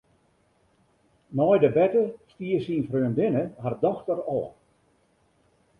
Nei de berte stie syn freondinne har dochter ôf.